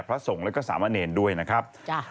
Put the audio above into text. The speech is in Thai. พระสงฆ์แล้วก็สามะเนรด้วยนะครับ